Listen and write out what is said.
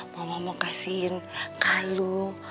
mama mau kasihin kalung